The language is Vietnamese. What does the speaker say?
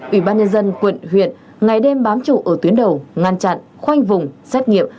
ủy ban nhân dân quận huyện ngày đêm bám trụ ở tuyến đầu ngăn chặn khoanh vùng xét nghiệm